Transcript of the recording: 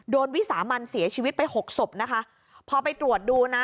วิสามันเสียชีวิตไปหกศพนะคะพอไปตรวจดูนะ